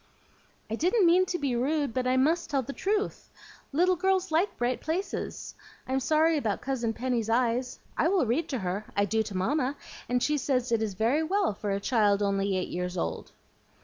"I didn't mean to be rude, but I MUST tell the truth. Little girls like bright places. I'm sorry about Cousin Penny's eyes. I will read to her; I do to Mamma, and she says it is very well for a child only eight years old."